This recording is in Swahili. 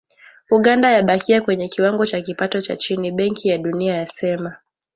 Uganda yabakia kwenye kiwango cha kipato cha chini, Benki ya Dunia yasema.